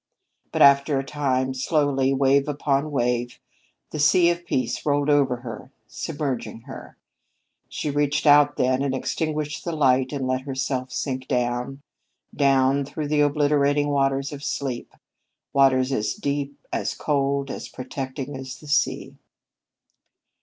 But after a time, slowly, wave upon wave, the sea of Peace rolled over her submerging her. She reached out then and extinguished the light and let herself sink down, down, through the obliterating waters of sleep waters as deep, as cold, as protecting as the sea.